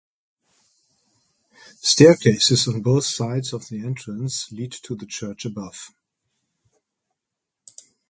Staircases on both sides of the entrance lead to the church above.